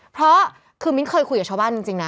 เพราะคือมิ้นเคยคุยกับชาวบ้านจริงนะ